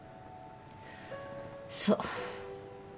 そう。